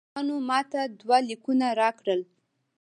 ترکانو ماته دوه لیکونه راکړل.